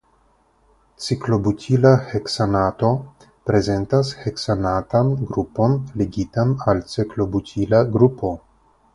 Ciklobutila heksanato prezentas heksanatan grupon ligitan al ciklobutila grupo.